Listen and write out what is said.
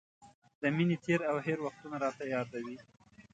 د مینې تېر او هېر وختونه راته را یادوي.